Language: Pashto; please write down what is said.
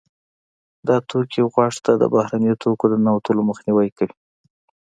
دا توکي غوږ ته د بهرنیو توکو د ننوتلو مخنیوی کوي.